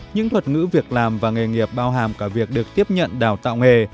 những thuật ngữ việc làm và nghề nghiệp bao hàm cả việc được tiếp nhận đào tạo nghề